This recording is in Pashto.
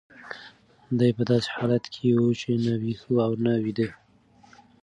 دی په داسې حالت کې و چې نه ویښ و او نه ویده.